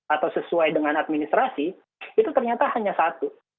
atau sesuai dengan administrasi itu ternyata hanya satu